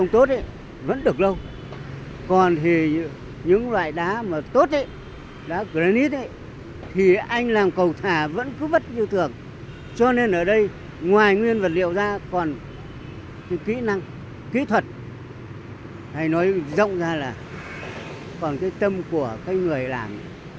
thì anh làm cầu thả vẫn cứ vất như thường cho nên ở đây ngoài nguyên vật liệu ra còn kỹ năng kỹ thuật hay nói rộng ra là còn cái tâm của các người làm